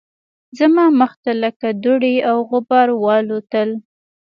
زما مخ ته لکه دوړې او غبار والوتل